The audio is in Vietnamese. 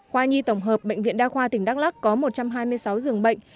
khoa nhi tổng hợp bệnh viện đa khoa tỉnh đắk lắc có một trăm hai mươi sáu dường bệnh